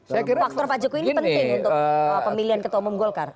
saya kira faktor pak jokowi ini penting untuk pemilihan ketua umum golkar